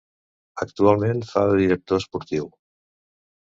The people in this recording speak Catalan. Actualment fa de director esportiu.